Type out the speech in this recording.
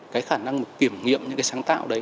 cái khả năng kiểm nghiệm những cái sáng tạo đấy